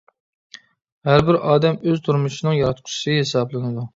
ھەربىر ئادەم ئۆز تۇرمۇشىنىڭ ياراتقۇچىسى ھېسابلىنىدۇ.